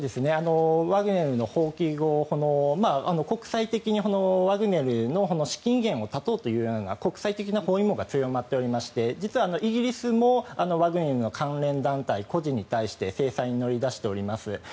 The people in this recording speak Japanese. ワグネルの蜂起後国際的にワグネルの資金源を断とうという国際的な包囲網が強まっていまして実はイギリスもワグネルの関連団体個人に対して制裁に乗り出しています。